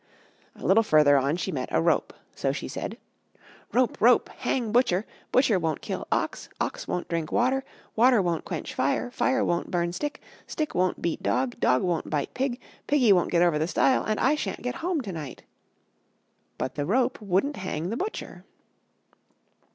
A little further on she met a rope. So she said: "Rope! rope! hang butcher; butcher won't kill ox; ox won't drink water; water won't quench fire; fire won't burn stick; stick won't beat dog; dog won't bite pig; piggy won't get over the stile; and I sha'n't get home to night." But the rope wouldn't hang the butcher.